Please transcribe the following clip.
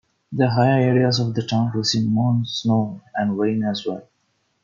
The higher areas of the town receive more snow and rain as well.